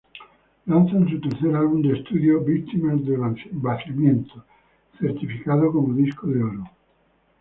Lanzan su tercer álbum de estudio, "Víctimas del vaciamiento", certificado como disco de oro.